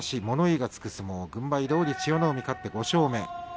物言いがつく相撲軍配どおり千代の海が勝って５勝目。